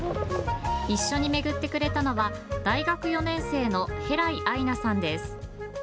一緒に巡ってくれたのは大学４年生の戸來藍那さんです。